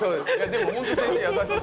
でもほんと先生優しい！